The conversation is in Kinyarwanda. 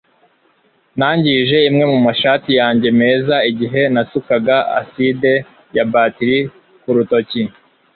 nangije imwe mu mashati yanjye meza igihe nasukaga aside ya batiri ku ntoki